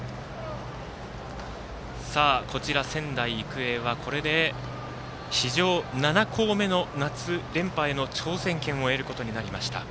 仙台育英はこれで史上７校目の夏連覇への挑戦権を得ることになりました。